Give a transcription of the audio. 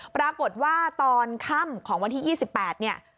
ปรากฏว่าตอนค่ำของวันที่๒๘เนี่ย